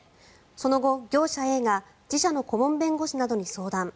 その後、業者Ａが自社の顧問弁護士などに相談。